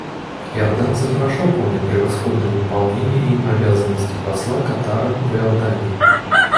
Иорданцы хорошо помнят превосходное выполнение им обязанностей посла Катара в Иордании.